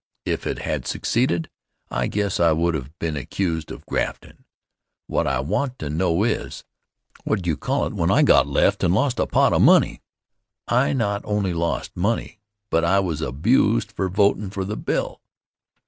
If it had succeeded, I guess I would have been accused of graftin'. What I want to know is, what do you call it when I got left and lost a pot of money? I not only lost money, but I was abused for votin' for the bill.